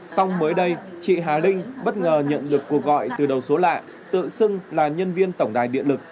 xong mới đây chị hà linh bất ngờ nhận được cuộc gọi từ đầu số lạ tự xưng là nhân viên tổng đài điện lực